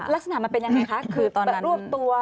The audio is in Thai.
ลักษณะมันเป็นยังไงคะคือตอนรวบตัว